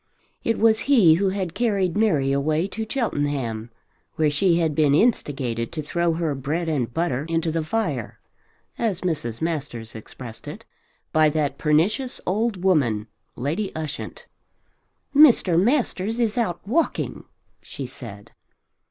It was he who had carried Mary away to Cheltenham where she had been instigated to throw her bread and butter into the fire, as Mrs. Masters expressed it, by that pernicious old woman Lady Ushant. "Mr. Masters is out walking," she said.